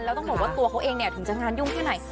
แล้วต้องบอกว่าตัวเขาเองเนี่ยถึงจะงานยุ่งแค่ไหน